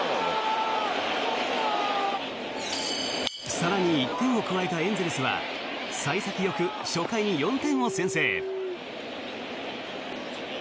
更に１点を加えたエンゼルスは幸先よく初回に４点を先制。